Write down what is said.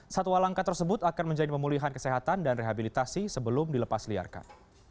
satwa langka tersebut akan menjadi pemulihan kesehatan dan rehabilitasi sebelum dilepas liarkan